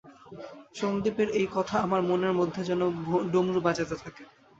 সন্দীপের এই কথা আমার মনের মধ্যে যেন ডমরু বাজাতে থাকে।